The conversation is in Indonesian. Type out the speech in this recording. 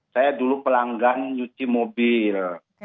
saya dulu pelanggan nyuci mobil